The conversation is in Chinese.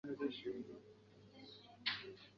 沙马朗代舒瓦盖。